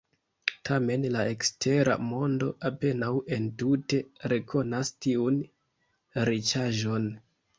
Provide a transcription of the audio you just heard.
Tamen la ekstera mondo apenaŭ entute rekonas tiun riĉaĵon.